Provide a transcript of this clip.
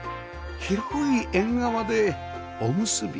広い縁側でおむすび